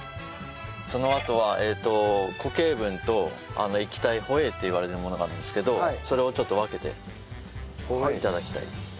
そのあとは固形分と液体ホエイっていわれるものがあるんですけどそれをちょっと分けて頂きたいです。